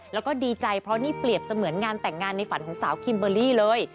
แล้วก็ดีใจเพราะนี่เปรียบเสมือนงานแต่งงานในฝันของสาวคิมเบอร์รี่เลย